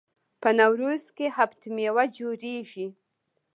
په نوروز کې هفت میوه جوړیږي.